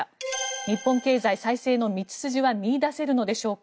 日本経済再生の道筋は見いだせるのでしょうか。